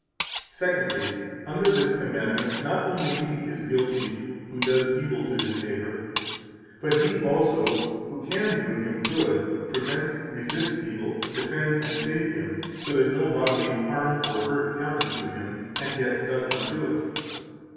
189 Secondly, under this commandment not only he is guilty who does evil to his neighbor, but he also who can do him good, prevent, resist evil, defend and save him, so that no bodily harm or hurt happen to him, and yet does not do it.